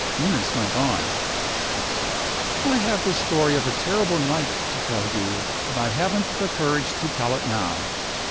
Eunice went on: "I have the story of a terrible night to tell you; but I haven't the courage to tell it now.